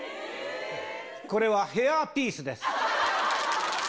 これはヘアピースです。